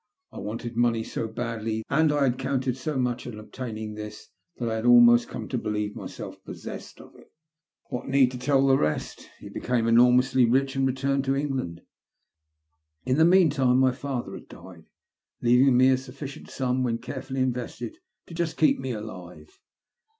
I wanted money so badly, and I had counted so much on obtaining this, that I had almost come to believe myself pos sessed of it. What need to tell the rest ? He became enormously rich, and returned to England. In the meantime my father had died, leaving me a sufficient sum, when carefully invested, to just keep me alive.